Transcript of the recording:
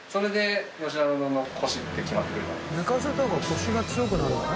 寝かせた方がコシが強くなるんだね。